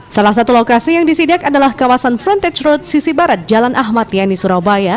salah satu lokasi yang disidak adalah kawasan frontage road sisi barat jalan ahmad yani surabaya